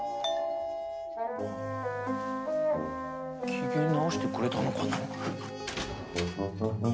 機嫌直してくれたのかな？